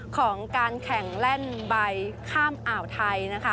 ของการแข่งแล่นใบข้ามอ่าวไทยนะคะ